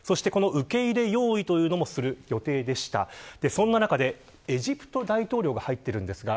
そんな中でエジプトの大統領が入っています。